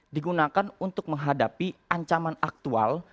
digunakan untuk menghadapi ancaman aktual